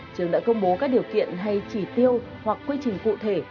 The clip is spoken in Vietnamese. trường đã công bố các điều kiện hay chỉ tiêu hoặc quy trình cụ thể